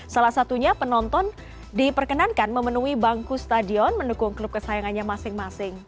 salah satunya penonton diperkenankan memenuhi bangku stadion mendukung klub kesayangannya masing masing